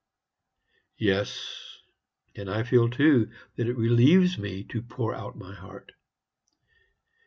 "Yes; and I feel, too, that it relieves me to pour out my heart.